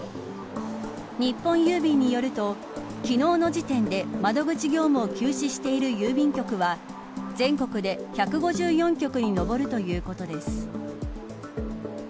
日本郵便によると、昨日の時点で窓口業務を休止している郵便局は全国で１５４局に上るということです。